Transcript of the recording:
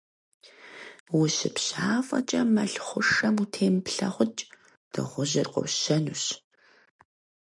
УщыпщафӀэкӀэ мэл хъушэм утемыплъэкъукӀ: Дыгъужьыр къощэнущ.